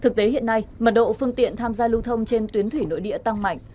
thực tế hiện nay mật độ phương tiện tham gia lưu thông trên tuyến thủy nội địa tăng mạnh